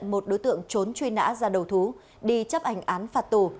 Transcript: một đối tượng trốn truy nã ra đầu thú đi chấp hành án phạt tù